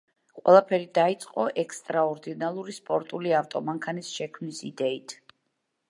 ყველაფერი დაიწყო ექსტრაორდინარული სპორტული ავტომანქანის შექმნის იდეით.